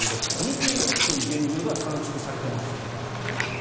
２１分現状では短縮されていますよと。